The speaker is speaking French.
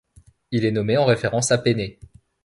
Il est nommé en référence à Pénée.